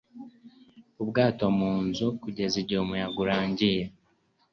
ubwato mu nzu kugeza igihe umuyaga urangiye